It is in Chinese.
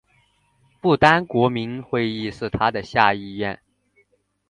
不丹国民议会是它的下议院。